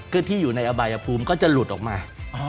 คือที่อยู่ในอบายภูมิก็จะหลุดออกมา